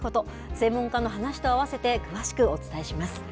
専門家の話と合わせて詳しくお伝えします。